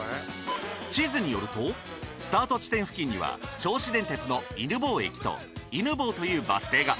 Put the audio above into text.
地図によるとスタート地点付近には銚子電鉄の犬吠駅と犬吠というバス停が。